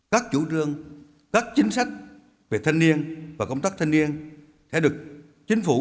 các chủ trương các chính sách về thanh niên và công tác thanh niên sẽ được chính phủ